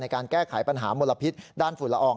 การแก้ไขปัญหามลพิษด้านฝุ่นละออง